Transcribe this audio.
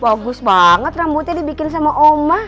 bagus banget rambutnya dibikin sama oma